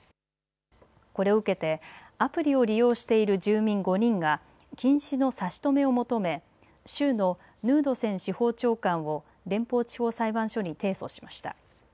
これを受けてアプリを利用している住民５人が禁止の差し止めを求め、州のヌードセン司法長官を連邦地方裁判所に提訴しました。